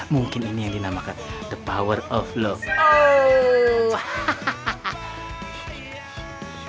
mungkin ini yang dinamakan the power of love